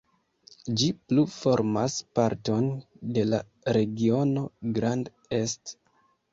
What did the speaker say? Ĝi plu formas parton de la regiono Grand Est.